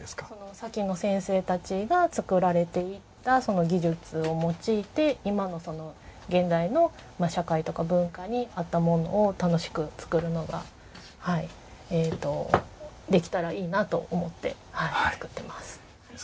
先の先生たちが作られていった技術を用いて今の現代の社会とか文化に合ったものを楽しく作るのができたらいいなと思って作ってます。